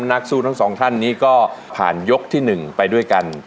นักสู้ทั้งสองท่านนี้ก็ผ่านยกที่๑ไปด้วยกัน